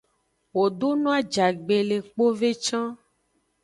Wo do no ajagbe le kpove can.